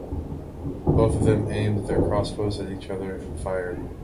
Both of them aimed their crossbows at each other and fired.